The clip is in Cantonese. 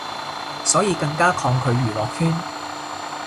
所以更加抗拒娛樂圈